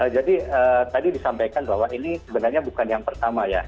jadi tadi disampaikan bahwa ini sebenarnya bukan yang pertama ya